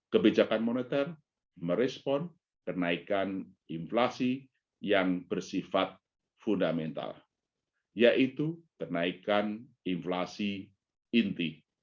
kebijakan moneter merespon kenaikan inflasi yang bersifat fundamental yaitu kenaikan inflasi inti